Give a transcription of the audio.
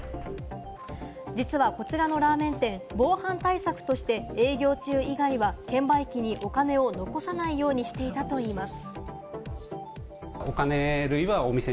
実はこちらのラーメン店、防犯対策として営業中以外は券売機にお金を残さないようにしていたといいます。